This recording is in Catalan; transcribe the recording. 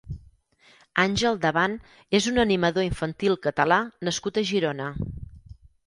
Àngel Daban és un animador infantil catala nascut a Girona.